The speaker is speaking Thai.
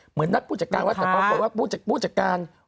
เหมือนพูดจากนัดผู้จักร